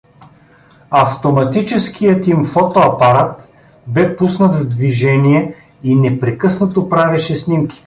Автоматическият им фотоапарат бе пуснат в движение и непрекъснато правеше снимки.